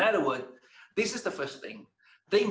dalam arti inilah hal pertama